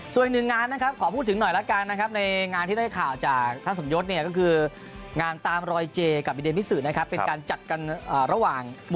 ส่วนอีกหนึ่งงานนะครับขอพูดถึงหน่อยละกันนะครับในงานที่ได้ข่าวจากท่านสมยศเนี่ยก็คืองานตามรอยเจกับอิเดมมิสุนะครับ